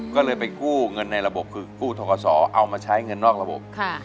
ก็เลยไปกู้เงินในระบบคือกู้ทกศเอามาใช้เงินนอกระบบ